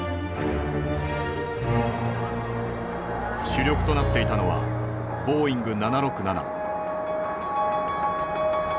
主力となっていたのはボーイング７６７。